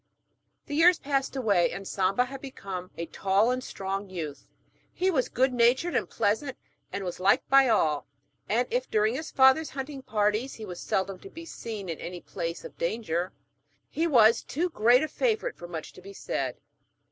The years passed away, and Samba had become a tall and strong youth. He was good natured and pleasant, and was liked by all, and if during his father's hunting parties he was seldom to be seen in any place of danger, he was too great a favourite for much to be said.